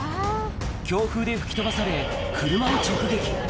強風で吹き飛ばされ、車に直撃。